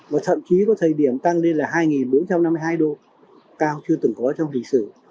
và thậm chí có thời điểm tăng lên là hai bốn trăm năm mươi hai độ cao chưa từng có trong lịch sử